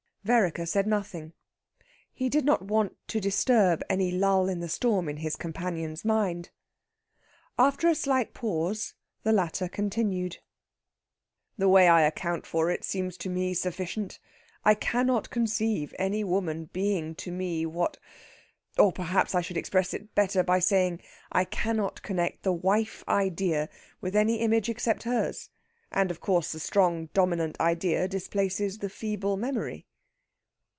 Vereker said nothing. He did not want to disturb any lull in the storm in his companion's mind. After a slight pause the latter continued: "The way I account for it seems to me sufficient. I cannot conceive any woman being to me what ... or, perhaps I should express it better by saying I cannot connect the wife idea with any image except hers. And, of course, the strong dominant idea displaces the feeble memory."